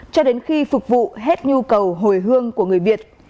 cho đến khi phục vụ hết nhu cầu hồi hương của người việt